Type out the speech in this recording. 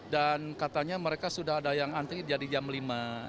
dan katanya mereka sudah ada yang antri jadi jam lima